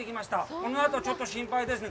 このあと、ちょっと心配ですね。